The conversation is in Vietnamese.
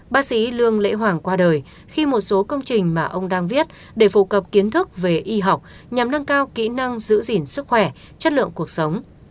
bác sĩ lương lễ hoàng qua đời khi một số công trình mà ông đang viết để phổ cập kiến thức về y học nhằm nâng cao kỹ năng giữ gìn sức khỏe chất lượng cuộc sống